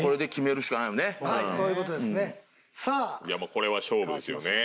これは勝負ですよね。